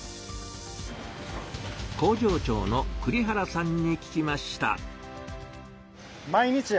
工場長の栗原さんに聞きました。